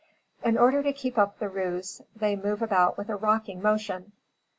In order to keep up the ruse, they move about with a rocking motion.